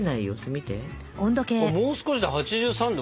もう少しで８３℃